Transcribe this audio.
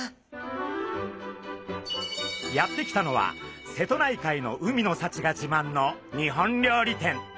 やって来たのは瀬戸内海の海の幸がじまんの日本料理店。